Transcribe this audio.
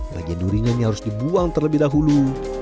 bagian durinya ini harus dibuang terlebih dahulu